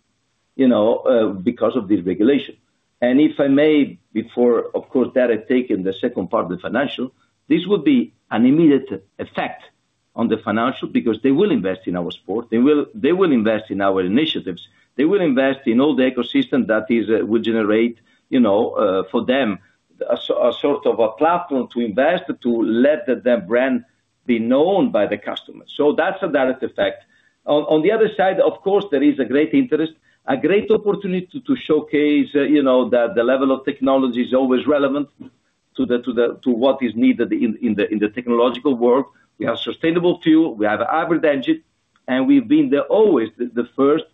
you know, because of this regulation. If I may, before, of course, that I take in the second part of the financial, this would be an immediate effect on the financial, because they will invest in our sport. They will invest in our initiatives. They will invest in all the ecosystem that is will generate, you know, for them, a sort of a platform to invest, to let their brand be known by the customers. That's a direct effect. On the other side, of course, there is a great interest, a great opportunity to showcase, you know, that the level of technology is always relevant to the, to what is needed in the technological world. We have sustainable fuel, we have hybrid engine, we've been there always, the first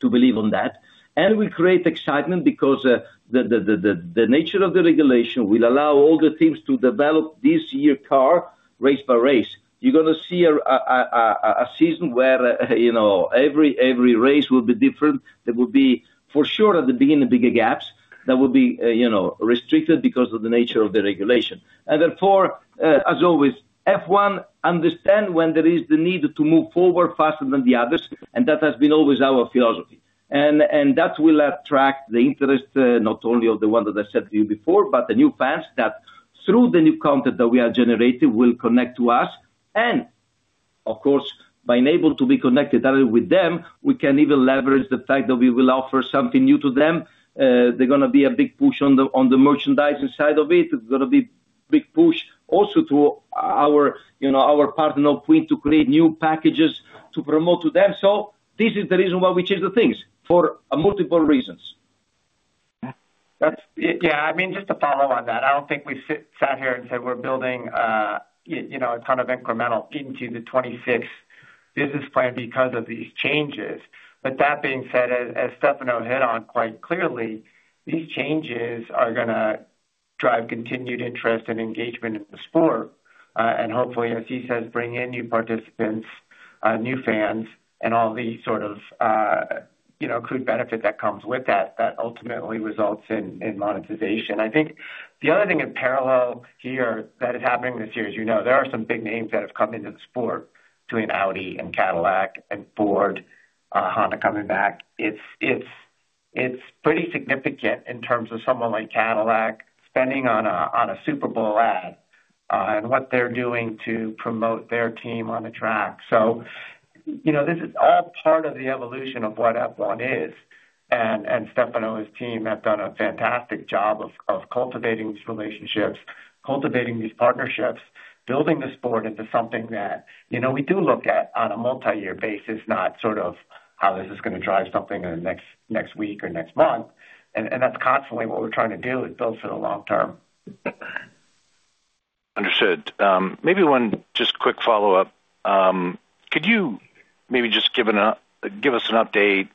to believe on that. We create excitement because the nature of the regulation will allow all the teams to develop this year car, race by race. You're gonna see a season where, you know, every race will be different. There will be, for sure, at the beginning, bigger gaps that will be, you know, restricted because of the nature of the regulation. Therefore, as always, F1 understand when there is the need to move forward faster than the others, and that has been always our philosophy. That will attract the interest, not only of the one that I said to you before, but the new fans that through the new content that we are generating, will connect to us. Of course, by enable to be connected with them, we can even leverage the fact that we will offer something new to them. There's gonna be a big push on the, on the merchandising side of it. There's gonna be big push also to our, you know, our partner, Quint, to create new packages to promote to them. This is the reason why we change the things, for multiple reasons. Yeah, I mean, just to follow on that, I don't think we sat here and said, we're building, you know, a ton of incremental into the 2026 business plan because of these changes. That being said, as Stefano hit on quite clearly, these changes are gonna drive continued interest and engagement in the sport. Hopefully, as he says, bring in new participants, new fans, and all the sort of, you know, accrued benefit that comes with that ultimately results in monetization. I think the other thing in parallel here, that is happening this year, as you know, there are some big names that have come into the sport, between Audi and Cadillac and Ford, Honda coming back. It's pretty significant in terms of someone like Cadillac spending on a Super Bowl ad and what they're doing to promote their team on the track. You know, this is all part of the evolution of what F1 is, and Stefano and his team have done a fantastic job of cultivating these relationships, cultivating these partnerships, building the sport into something that, you know, we do look at on a multi-year basis, not sort of how this is gonna drive something in the next week or next month. That's constantly what we're trying to do, is build for the long term. Understood. Maybe 1 just quick follow-up. Could you maybe just give us an update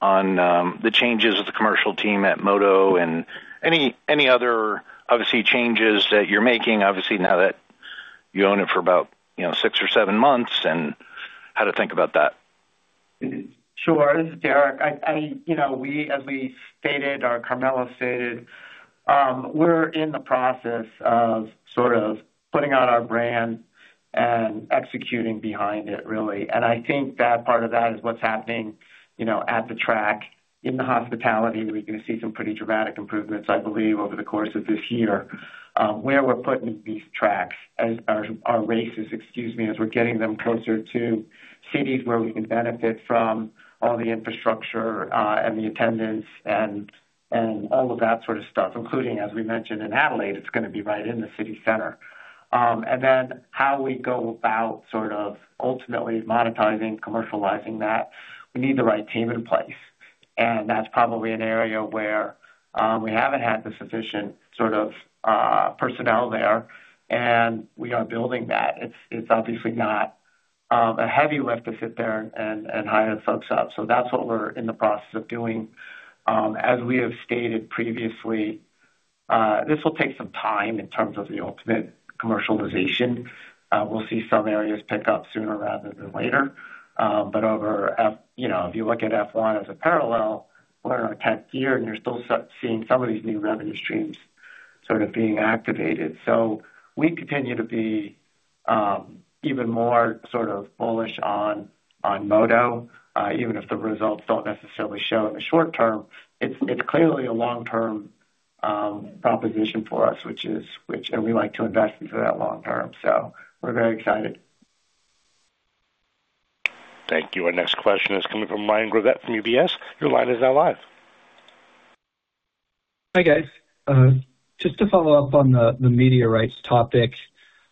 on the changes of the commercial team at Moto and any other, obviously, changes that you're making, obviously, now that you own it for about, you know, 6 or 7 months, and how to think about that? Sure. This is Derek. I, you know, we, as we stated, or Carmelo stated, we're in the process of sort of putting out our brand and executing behind it, really. I think that part of that is what's happening, you know, at the track. In the hospitality, we're gonna see some pretty dramatic improvements, I believe, over the course of this year. Where we're putting these tracks as our races, excuse me, as we're getting them closer to cities where we can benefit from all the infrastructure, and the attendance and all of that sort of stuff, including, as we mentioned, in Adelaide, it's gonna be right in the city center. How we go about sort of ultimately monetizing, commercializing that, we need the right team in place, and that's probably an area where we haven't had the sufficient sort of personnel there, and we are building that. It's obviously not a heavy lift to sit there and hire folks up. That's what we're in the process of doing. As we have stated previously, this will take some time in terms of the ultimate commercialization. We'll see some areas pick up sooner rather than later. Over you know, if you look at F1 as a parallel, we're in our tenth year, and you're still seeing some of these new revenue streams sort of being activated. We continue to be even more sort of bullish on Moto, even if the results don't necessarily show in the short term. It's clearly a long-term proposition for us, and we like to invest into that long term. We're very excited. Thank you. Our next question is coming from Ryan Gravett from UBS. Your line is now live. Hi, guys. Just to follow up on the media rights topic,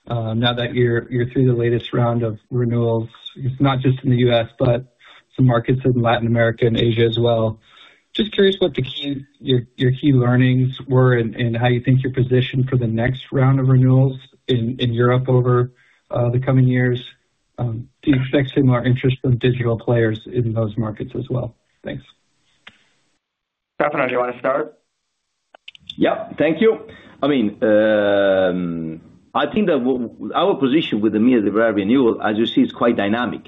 now that you're through the latest round of renewals, not just in the U.S., but some markets in Latin America and Asia as well. Just curious what your key learnings were and how you think you're positioned for the next round of renewals in Europe over the coming years. Do you expect similar interest from digital players in those markets as well? Thanks. Stefano, do you want to start? Yeah. Thank you. I mean, I think that our position with the media rights renewal, as you see, is quite dynamic.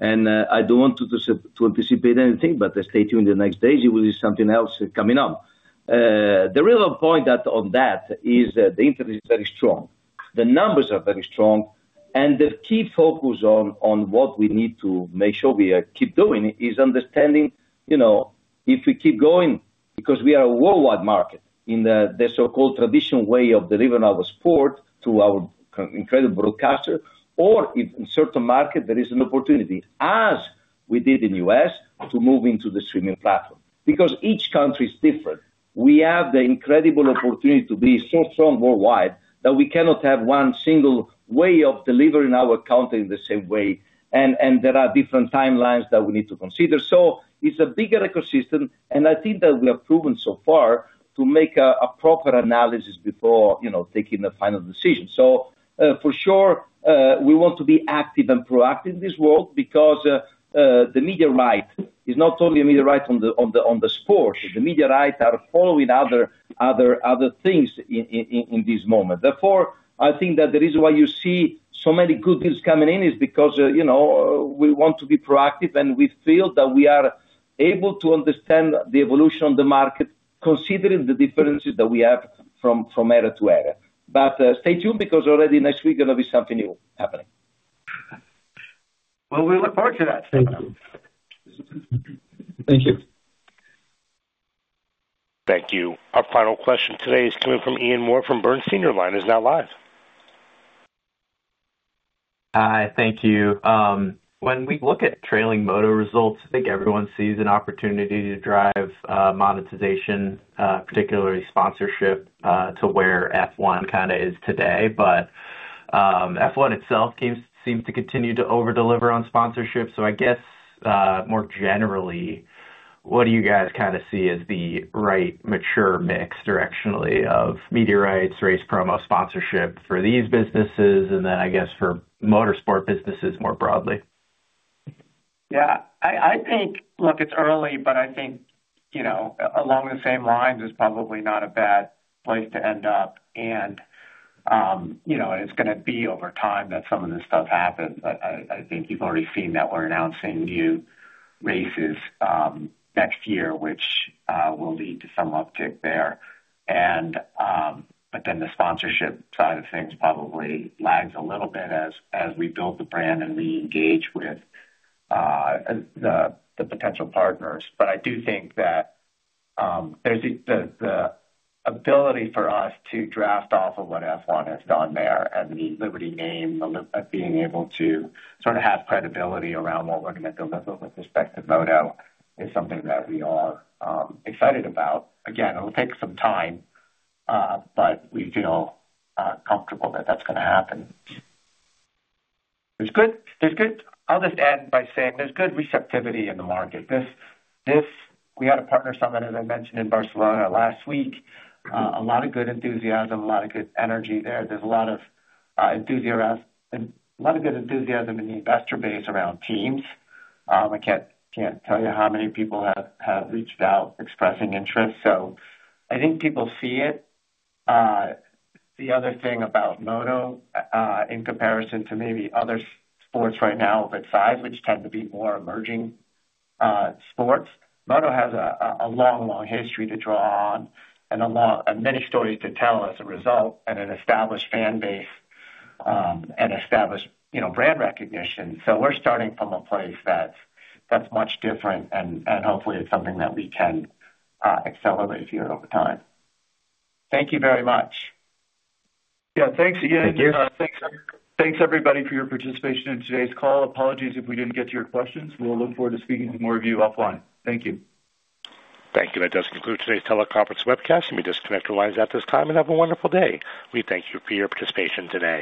I don't want to anticipate anything, but stay tuned in the next days, you will see something else coming up. The real point on that is the interest is very strong. The numbers are very strong, and the key focus on what we need to make sure we keep doing is understanding, you know, if we keep going, because we are a worldwide market in the so-called traditional way of delivering our sport through our incredible broadcaster, or if in certain market there is an opportunity, as we did in the U.S., to move into the streaming platform. Because each country is different, we have the incredible opportunity to be so strong worldwide that we cannot have one single way of delivering our content in the same way, and there are different timelines that we need to consider. It's a bigger ecosystem, and I think that we have proven so far to make a proper analysis before, you know, taking the final decision. For sure, we want to be active and proactive in this world because the media right is not only a media right on the sport. The media rights are following other things in this moment. I think that the reason why you see so many good deals coming in is because, you know, we want to be proactive, and we feel that we are able to understand the evolution of the market, considering the differences that we have from area to area. Stay tuned, because already next week, there will be something new happening. Well, we look forward to that. Thank you. Thank you. Thank you. Our final question today is coming from Ian Moore from Bernstein. Your line is now live. Hi. Thank you. When we look at trailing MotoGP results, I think everyone sees an opportunity to drive monetization, particularly sponsorship, to where F1 kinda is today. F1 itself seems to continue to over-deliver on sponsorship. I guess more generally, what do you guys kinda see as the right mature mix directionally of media rights, race promo, sponsorship for these businesses, and then I guess for motorsport businesses more broadly? Yeah, I think, look, it's early, but I think, you know, along the same lines is probably not a bad place to end up. You know, it's gonna be over time that some of this stuff happens. I think you've already seen that we're announcing new races next year, which will lead to some uptick there. The sponsorship side of things probably lags a little bit as we build the brand and we engage with the potential partners. I do think that there's the ability for us to draft off of what F1 has done there and the Liberty name, of being able to sort of have credibility around what we're gonna build with respect to Moto is something that we are excited about. It'll take some time, but we feel comfortable that that's gonna happen. I'll just end by saying there's good receptivity in the market. This, we had a partner summit, as I mentioned, in Barcelona last week. A lot of good enthusiasm, a lot of good energy there. There's a lot of enthusiasm, a lot of good enthusiasm in the investor base around teams. I can't tell you how many people have reached out expressing interest, so I think people see it. The other thing about moto, in comparison to maybe other sports right now of that size, which tend to be more emerging sports, moto has a long, long history to draw on and a lot, and many stories to tell as a result, and an established fan base, and established, you know, brand recognition. We're starting from a place that's much different, and hopefully it's something that we can accelerate here over time. Thank you very much. Yeah, thanks again. Thank you. Thanks, everybody, for your participation in today's call. Apologies if we didn't get to your questions. We'll look forward to speaking with more of you offline. Thank you. Thank you. That does conclude today's teleconference webcast. You may disconnect your lines at this time, and have a wonderful day. We thank you for your participation today.